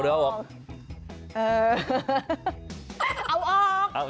เอาออก